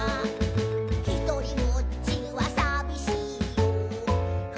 「ひとりぼっちはさびしいよ」